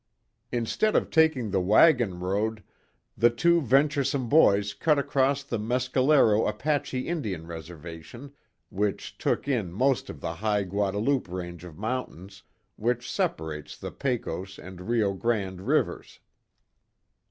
Instead of taking the wagon road, the two venturesome boys cut across the Mescalero Apache Indian Reservation, which took in most of the high Guadalupe range of mountains, which separates the Pecos and Rio Grande rivers.